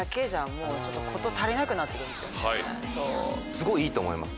すごいいいと思います。